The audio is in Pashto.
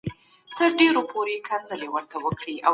نفسي غوښتنو ته لاره نه ورکول کېږي.